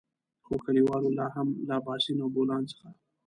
خو کليوالو لاهم له اباسين او بولان څخه.